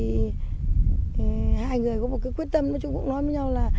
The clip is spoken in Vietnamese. hai người có một quyết tâm nói với nhau là